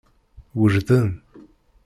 Wejden.